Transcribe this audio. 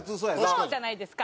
そうじゃないですか。